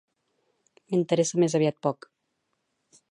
M'interessa més aviat poc.